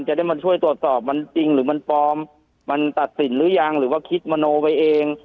จะได้มาช่วยตรวจสอบมันจริงหรือมันปลอมมันตัดสินหรือยังหรือว่าคิดมโนไปเอง